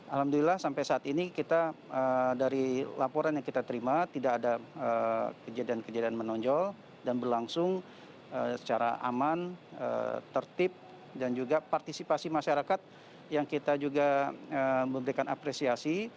alhamdulillah sampai saat ini kita dari laporan yang kita terima tidak ada kejadian kejadian menonjol dan berlangsung secara aman tertib dan juga partisipasi masyarakat yang kita juga memberikan apresiasi